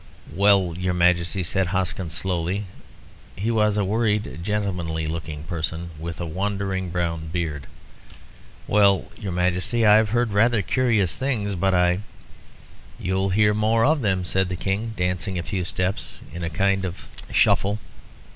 "Well, your Majesty," said Hoskins, slowly (he was a worried, gentlemanly looking person, with a wandering brown beard) "well, your Majesty, I have heard rather curious things, but I " "You'll hear more of them," said the King, dancing a few steps of a kind of negro shuffle.